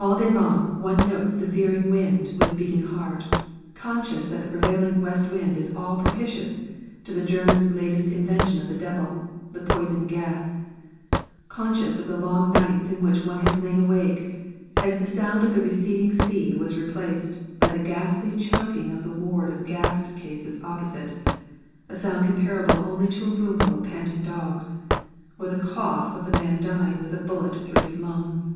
All day long one notes the veering wind with beating heart, conscious that the prevailing west wind is all propitious to the German's latest invention of the Devil, the poison gas; conscious of the long nights in which one has lain awake as the sound of the receding sea was replaced by the ghastly choking of the ward of gassed cases opposite (a sound comparable only to a roomful of panting dogs), or the cough of the man dying with a bullet through his lungs.